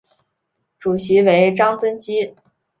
主席为张曾基。